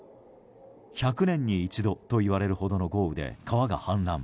１００年に一度といわれるほどの豪雨で川が氾濫。